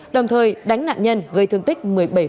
đồng thời đánh nạn nhân gây thương tích một mươi bảy